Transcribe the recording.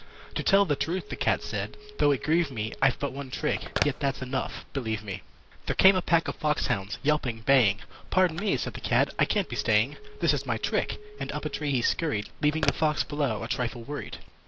"To tell the truth," the Cat said, "though it grieve me I've but one trick. Yet that's enough believe me!" There came a pack of fox hounds yelping, baying. "Pardon me", said the Cat. "I can't be staying. This is my trick." And up a tree he scurried, Leaving the Fox below a trifle worried.